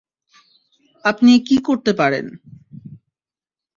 আপনি কি করতে পারেন?